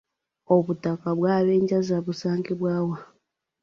Obutaka bw’Abenjaza busangibwa wa?